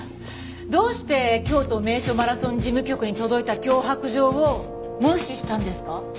どうして京都名所マラソン事務局に届いた脅迫状を無視したんですか？